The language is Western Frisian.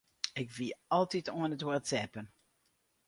Ik wie altyd oan it whatsappen.